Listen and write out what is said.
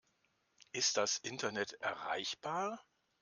Ist das Internet erreichbar?